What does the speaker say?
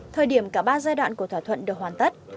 thời điểm cả ba giai đoạn của thỏa thuận được hoàn tất